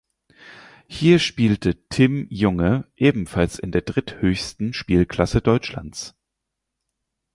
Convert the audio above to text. Hier spielte Tim Junge ebenfalls in der dritthöchsten Spielklasse Deutschlands.